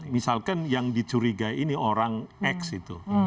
misalkan yang dicurigai ini orang x itu